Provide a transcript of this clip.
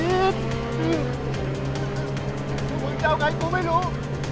มึงจะเอาไงกูไม่รู้